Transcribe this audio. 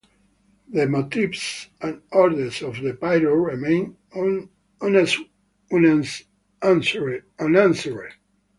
The motives and orders of the pilot remain unanswered.